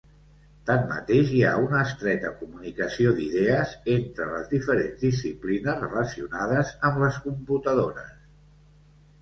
Tanmateix, hi ha una estreta comunicació d'idees entre les diferents disciplines relacionades amb les computadores.